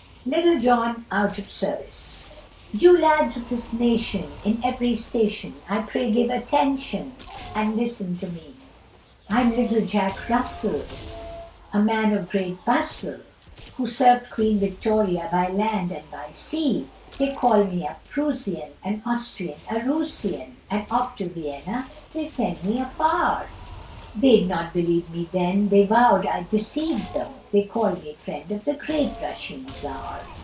LITTLE LORD JOHN OUT OF SERVICE. You lads of this nation, in every station, I pray give attention, and listen to me, I'm little Jack Russell, a man of great bustle, Who served Queen Victoria by land and by sea; They call me a Proosian, an Austrian, a Roosian, And off to Vienna they sent me afar; They'd not me believe then, they vowed I'd deceived them, And called me Friend of the great Russian Czar.